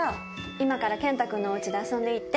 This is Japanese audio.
今から健太君のおうちで遊んでいいって。